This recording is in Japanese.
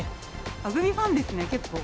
グミファンですね、結構。